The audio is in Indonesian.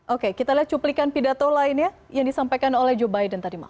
oke kita lihat cuplikan pidato lainnya yang disampaikan oleh joe biden tadi malam